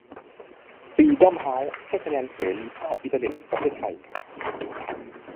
ฟรีด้อมเฮ้าส์ ให้คะแนนเสรีภาพอินเทอร์เน็ตประเทศไทย